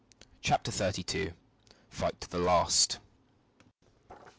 CHAPTER THIRTY TWO. FIGHT TO THE LAST!